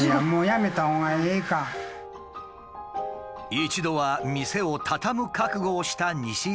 一度は店を畳む覚悟をした西井さん夫婦。